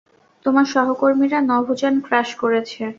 তোমার সহকর্মীরা নভোযান ক্র্যাশ করেছে।